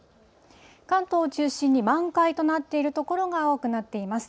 関東を中心に満開となっている所が多くなっています。